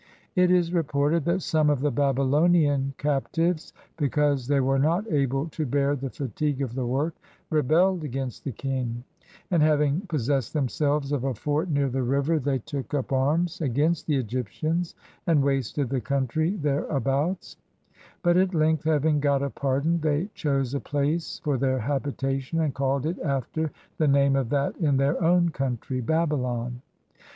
It is reported that some of the Babylonian captives, because they were not able to bear the fatigue of the work, rebelled against the king; and having pos sessed themselves of a fort near the river, they took up 93 EGYPT arms against the Egyptians and wasted the country thereabouts; but at length having got a pardon, they chose a place for their habitation, and called it after the name of that in their own country, Babylon.